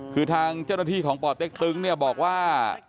คือทางเจ้าหน้าที่ของป่อเต็กตึงเนี่ยบอกว่า